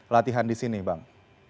latihan di sini bang